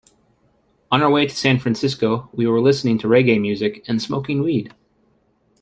On our way to San Francisco, we were listening to reggae music and smoking weed.